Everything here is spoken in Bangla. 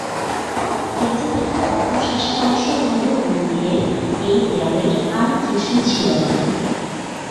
বেঁচে থাকা অবশিষ্টাংশ হল মন্দিরের, এই দেয়ালের আর কিছুই ছিল না।